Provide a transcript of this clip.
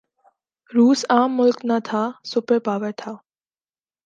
روس عام ملک نہ تھا، سپر پاور تھا۔